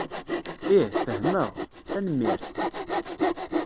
Ih, fehmeɣ. Tanemmirt.